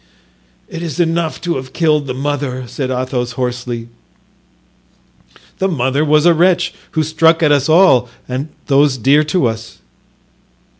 "It is enough to have killed the mother," said Athos, hoarsely. "The mother was a wretch, who struck at us all and at those dear to us."